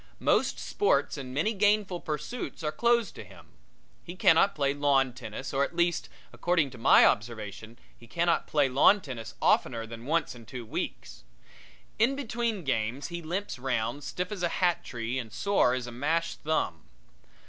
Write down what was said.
Most sports and many gainful pursuits are closed against him. He cannot play lawn tennis, or, at least according to my observation, he cannot play lawn tennis oftener than once in two weeks. In between games he limps round, stiff as a hat tree and sore as a mashed thumb.